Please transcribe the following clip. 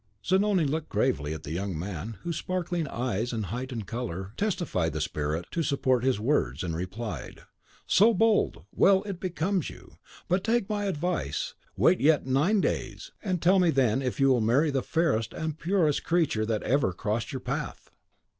Zanoni looked gravely at the young man, whose sparkling eyes and heightened colour testified the spirit to support his words, and replied, "So bold! well; it becomes you. But take my advice; wait yet nine days, and tell me then if you will marry the fairest and the purest creature that ever crossed your path."